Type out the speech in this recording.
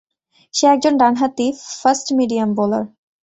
সে একজন ডান হাতি ফাস্ট মিডিয়াম বোলার।